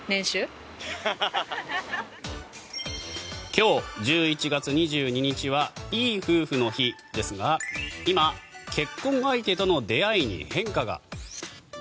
今日、１１月２２日はいい夫婦の日ですが今、結婚相手との出会いに変化が。